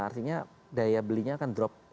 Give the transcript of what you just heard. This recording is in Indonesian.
artinya daya belinya akan drop